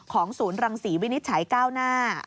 ศูนย์รังศรีวินิจฉัยก้าวหน้า